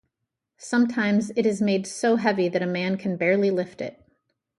Sometimes it is made so heavy that a man can barely lift it.